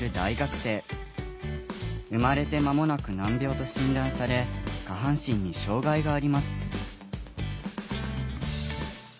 生まれて間もなく難病と診断され下半身に障害があります。